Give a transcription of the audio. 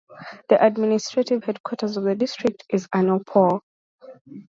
The administrative headquarters of the district is Anuppur.